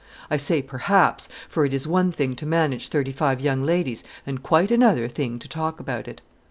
I say perhaps; for it is one thing to manage thirty five young ladies and quite another thing to talk about it.